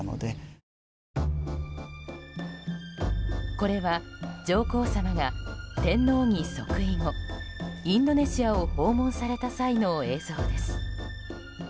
これは、上皇さまが天皇に即位後インドネシアを訪問された際の映像です。